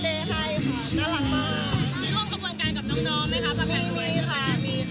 มีค่ะมีค่ะเค้าก็ไปช่วยน้องทำแครกอะไรอย่างเงี้ยค่ะ